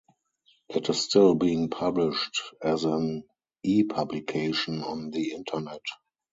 It is still being published as an ePublication on the Internet.